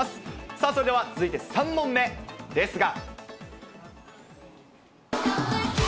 さあ、それでは続いて３問目ですが。